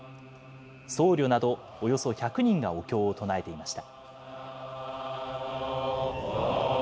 僧侶などおよそ１００人がお経を唱えていました。